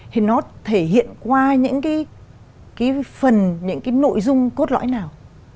thì nó thể hiện qua những cái phần những cái nội dung cốt lõi nào